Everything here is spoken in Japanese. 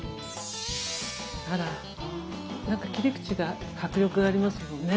あらなんか切り口が迫力ありますもんね。